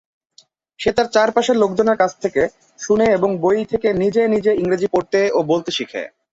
সে তার চারপাশের লোকজনের কাছ থেকে শুনে এবং বই থেকে নিজে নিজে ইংরেজি পড়তে ও বলতে শিখে।